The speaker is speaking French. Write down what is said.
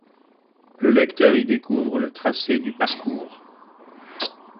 Le lecteur y découvre le tracé du parcours.